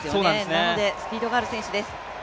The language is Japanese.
なのでスピードがある選手です。